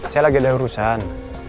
saya lagi ada urusan